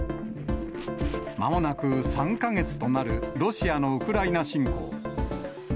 まもなく３か月となるロシアのウクライナ侵攻。